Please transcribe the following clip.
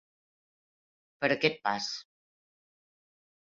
Per a aquest pas.